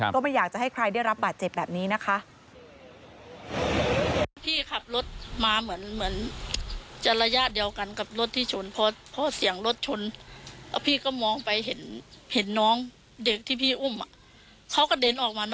ก็ไม่อยากจะให้ใครได้รับบาดเจ็บแบบนี้นะคะ